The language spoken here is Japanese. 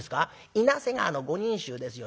稲瀬川の五人衆ですよ。